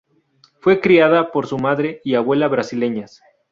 Fue criada por su madre y abuela brasileñas.